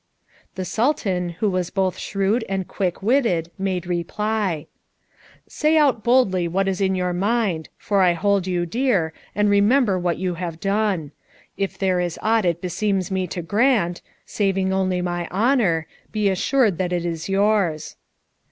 The Sultan who was both shrewd and quick witted made reply, "Say out boldly what is in your mind, for I hold you dear, and remember what you have done. If there is aught it beseems me to grant saving only my honour be assured that it is yours."